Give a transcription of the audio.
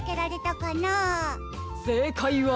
せいかいは。